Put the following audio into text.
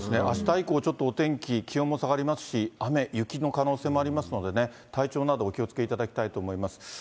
あした以降、ちょっとお天気、気温も下がりますし、雨、雪の可能性もありますのでね、体調など、お気をつけいただきたいと思います。